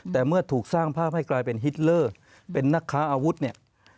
แต่เมื่อถูกสร้างภาพให้กลายเป็นฮิตเลอร์เป็นนักค้าอาวุธเนี่ย